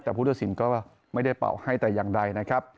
แต่ผู้ตัดสินก็ไม่ได้เป่าให้แต่อย่างใดนะครับ